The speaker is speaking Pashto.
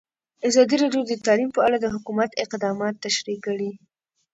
ازادي راډیو د تعلیم په اړه د حکومت اقدامات تشریح کړي.